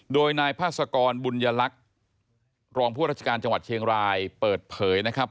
โดยนายพาสกรบุญยลักษณ์รองผู้ราชการจังหวัดเชียงรายเปิดเผยนะครับ